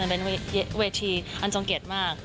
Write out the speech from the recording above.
มันเป็นเวทีอันตรงเกียจมาก